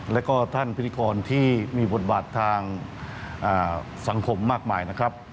แล้วก็ท่านพิธีกรที่มีบทบาททางสังคมมากมายนะครับ